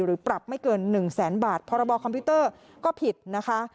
ปรับไม่เกิน๑แสนบาทพรบคอมพิวเตอร์ก็ผิดนะคะ